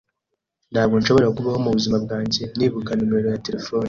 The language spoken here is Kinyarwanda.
Ntabwo nshobora kubaho mubuzima bwanjye nibuka numero ye ya terefone.